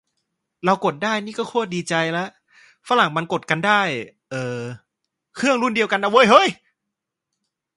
เรากด ได้ นี่ก็โคตรดีใจละ ฝรั่งมันกดกันได้ เอ่อ เครื่องรุ่นเดียวกันนะเว้ยเฮ้ย